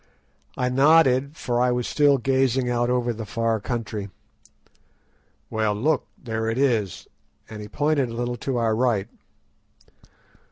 I nodded, for I was still gazing out over the far country. "Well, look; there it is!" and he pointed a little to our right.